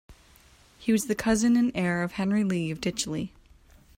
He was the cousin and heir of Henry Lee of Ditchley.